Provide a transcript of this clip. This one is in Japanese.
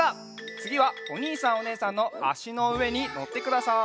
つぎはおにいさんおねえさんのあしのうえにのってください。